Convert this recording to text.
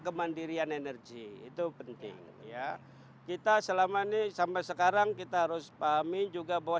kemandirian energi itu penting ya kita selama ini sampai sekarang kita harus pahami juga bahwa